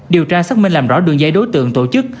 điều tra xác minh làm rõ đường dây đối tượng tổ chức